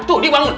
tuh dia bangun